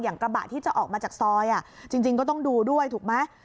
กระบะที่จะออกมาจากซอยจริงก็ต้องดูด้วยถูกไหม